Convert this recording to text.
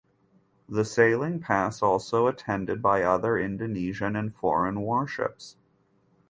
The sailing pass also attended by other Indonesian and foreign warships.